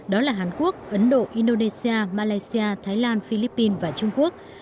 đó là hàn quốc ấn độ indonesia malaysia thái lan philippines và trung quốc